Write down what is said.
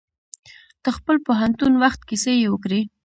د خپل پوهنتون وخت کیسې یې وکړې.